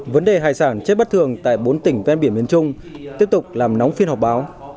vấn đề hải sản chết bất thường tại bốn tỉnh ven biển miền trung tiếp tục làm nóng phiên họp báo